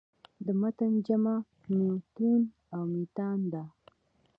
د متن جمع "مُتون" او "مِتان" ده.